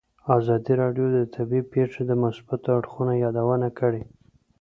ازادي راډیو د طبیعي پېښې د مثبتو اړخونو یادونه کړې.